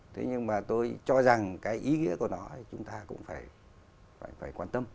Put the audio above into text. thế nhưng mà tôi cho rằng cái ý nghĩa của nó chúng ta cũng phải quan tâm